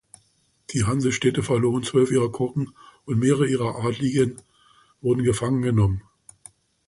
Die Hansestädte verloren zwölf ihrer Koggen und mehrere ihrer Adligen wurden gefangen genommen.